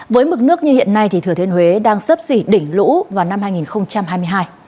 với mực nước như hiện nay thì thừa thiên huế đang sấp xỉ đỉnh lũ vào năm hai nghìn hai mươi hai